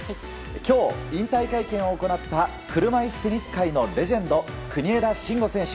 今日、引退会見を行った車いすテニス界のレジェンド国枝慎吾選手。